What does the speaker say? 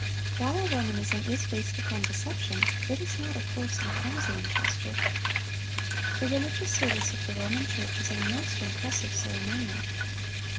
While Romanism is based upon deception, it is not a coarse and clumsy imposture. The religious service of the Roman Church is a most impressive ceremonial.